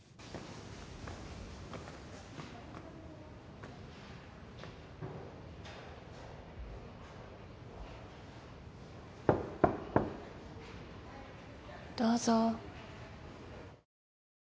・どうぞ。